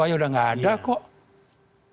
aja udah nggak ada kok mudah mudahan